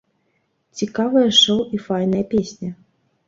Цікавае шоў і файная песня.